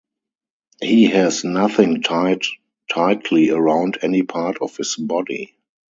He has nothing tied tightly around any part of his body.